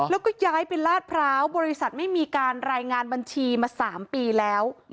แล้วก็ย้ายไปลาดพร้าวบริษัทไม่มีการรายงานบัญชีมา๓ปีแล้ว